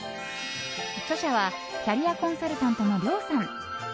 著者はキャリアコンサルタントのリョウさん。